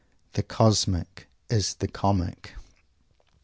The cosmic is the comic.